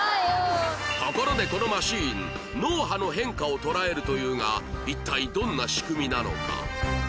ところでこのマシン脳波の変化を捉えるというが一体どんな仕組みなのか？